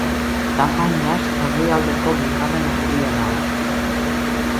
Tamainaz, herrialdeko bigarren handiena da.